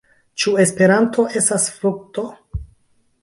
Ĉu Esperanto estas frukto?